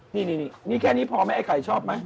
นี่นี่แค่นี้พอไหมไอ้ไข่ชอบไหม